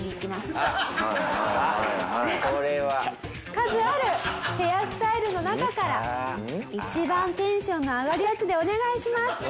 数あるヘアスタイルの中から「一番テンションが上がるやつでお願いします！」